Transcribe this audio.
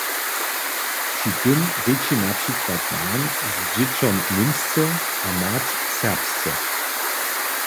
Při tym rěči na přikład nan z dźěsćom němsce a mać serbsce.